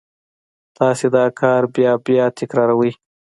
تاسې دا کار بیا بیا تکراروئ